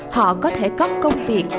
họ có thể có công việc